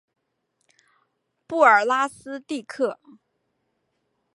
布尔拉斯蒂克。